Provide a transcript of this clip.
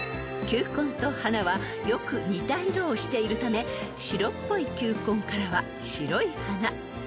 ［球根と花はよく似た色をしているため白っぽい球根からは白い花］